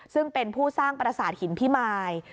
ซึ่งเป็นผู้สร้างประสาทหินพิมาย